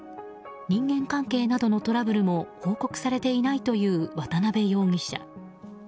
人間関係などのトラブルも報告されていないという渡辺容疑者。